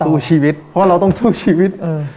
สู้ชีวิตเพราะว่าเราต้องสู้ชีวิต